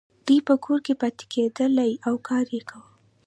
دوی په کور کې پاتې کیدلې او کار یې کاوه.